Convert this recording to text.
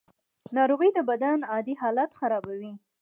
ناروغي د بدن عادي فعالیت خرابوي.